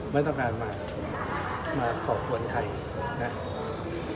ไม่ต้องการมาขอบควรใคร